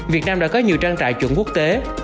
việt nam đã có nhiều trang trại chuẩn quốc tế